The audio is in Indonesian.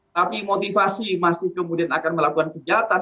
tapi motivasi masih kemudian akan melakukan kejahatan